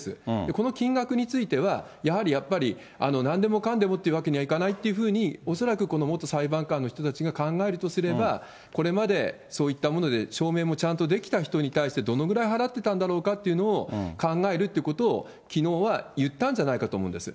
この金額については、やはりやっぱり、なんでもかんでもっていうわけにはいかないってふうに、恐らくこの元裁判官の人たちが考えるとすれば、これまでそういったもので証明をちゃんとできた人に対して、どのぐらい払ってたんだろうかっていうのを考えるっていうことを、きのうは言ったんじゃないかと思うんです。